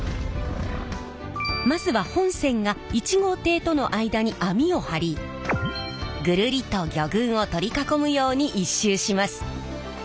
まずは本船が１号艇との間に網を張りぐるりと魚群を取り囲むように１周します。